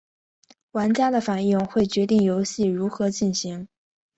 玩家的反应会决定游戏如何进行。